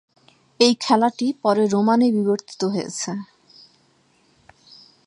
এই খেলাটি পরে রোমান -এ বিবর্তিত হয়েছে।